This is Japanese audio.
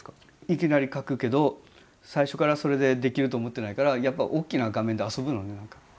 いきなり描くけど最初からそれでできると思ってないからやっぱおっきな画面で遊ぶのね何か。